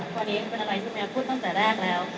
คนนี้เป็นอะไรที่แมวพูดตั้งแต่แรกแล้ว